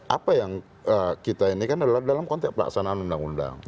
apa yang kita ini kan adalah dalam konteks pelaksanaan undang undang